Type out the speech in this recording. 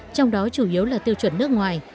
trong đó chủ yếu là tiêu chuẩn nước ngoài